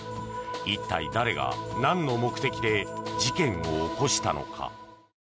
一体、誰が何の目的で事件を起こしたのか。